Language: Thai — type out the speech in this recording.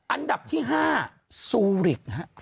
อันดับที่๕ซูริก